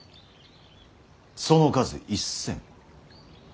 その数１，０００。